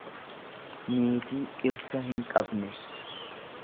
niitii dhirsa hinqabne.